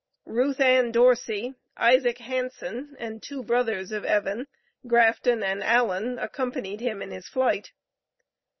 Ruth Ann Dorsey, Isaac Hanson (and two brothers of Evan), Grafton and Allen accompanied him in his flight.